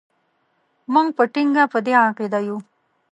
موږ په ټینګه په دې عقیده یو.